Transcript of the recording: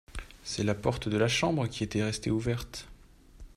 C’est la porte de la chambre qui était restée ouverte.